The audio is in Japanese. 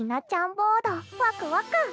ボード「ワクワク」。